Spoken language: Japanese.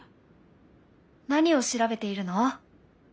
何を調べているの？